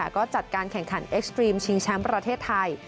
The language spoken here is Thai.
ก็จัดการแข่งขันเอ็กซ์ตรีมชิงแชมป์ประเทศไทย